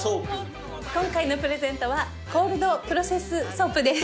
今回のプレゼントはコールドプロセスソープです。